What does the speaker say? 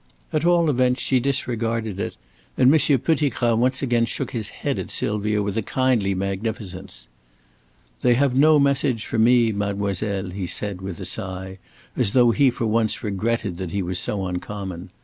At all events she disregarded it, and Monsieur Pettigrat once again shook his head at Sylvia with a kindly magnificence. "They have no message for me, mademoiselle," he said, with a sigh, as though he for once regretted that he was so uncommon.